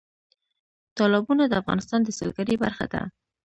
تالابونه د افغانستان د سیلګرۍ برخه ده.